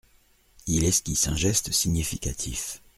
Il esquisse un geste significatif.